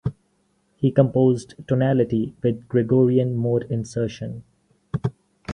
He composed tonality with Gregorian mode insertion.